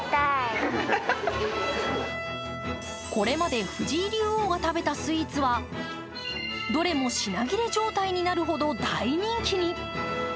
これまで藤井竜王が食べたスイーツはどれも品切れ状態になるほど大人気に。